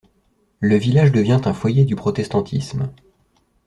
Le village devient un foyer du protestantisme.